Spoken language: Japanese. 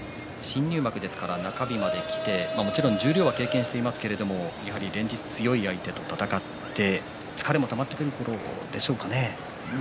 新入幕ですから中日まできてもちろん十両、経験していますが連日、強い相手と戦って疲れもたまってくるころでしょうかね。